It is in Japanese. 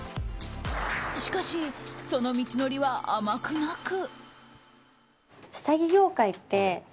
しかし、その道のりは甘くなく。